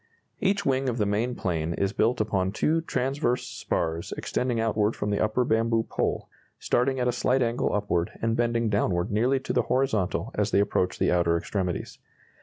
Each wing of the main plane is built upon 2 transverse spars extending outward from the upper bamboo pole, starting at a slight angle upward and bending downward nearly to the horizontal as they approach the outer extremities.